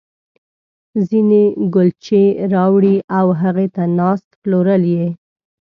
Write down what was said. ځينې کُلچې راوړي او هغې ته ناست، پلورل یې.